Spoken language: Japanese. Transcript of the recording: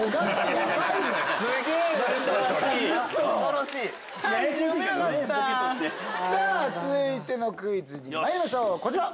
続いてのクイズにまいりましょうこちら！